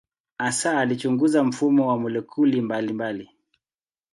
Hasa alichunguza mfumo wa molekuli mbalimbali.